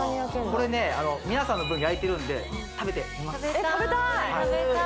これね皆さんの分焼いてるんで食べてみますか？